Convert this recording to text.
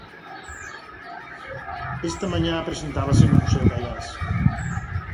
Esta mañá presentábase no Museo Gaiás.